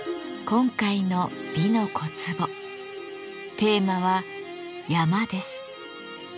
今回の「美の小壺」テーマは「山」です。